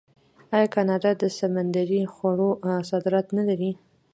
آیا کاناډا د سمندري خوړو صادرات نلري؟